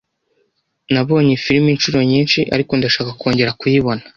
Nabonye film inshuro nyinshi, ariko ndashaka kongera kuyibona.